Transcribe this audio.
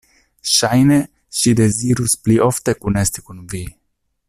Ŝajne ŝi dezirus pli ofte kunesti kun Vi!